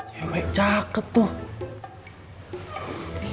cewek cakep tuh